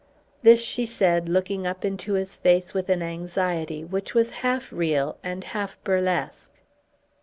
This she said looking up into his face with an anxiety which was half real and half burlesque.